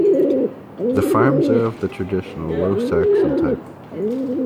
The farms are of the traditional Low Saxon type.